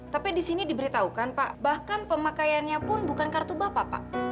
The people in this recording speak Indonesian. tapi di sini diberitahukan pak bahkan pemakaiannya pun bukan kartu bapak pak